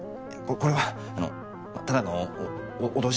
これはあのただの脅し。